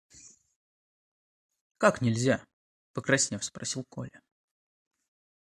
– Как нельзя? – покраснев, спросил Коля.